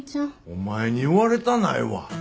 お前に言われたないわ。